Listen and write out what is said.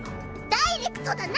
ダイレクトだな！